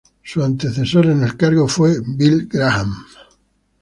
Su antecesor en el cargo fue Bill Graham.